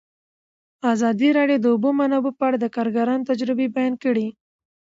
ازادي راډیو د د اوبو منابع په اړه د کارګرانو تجربې بیان کړي.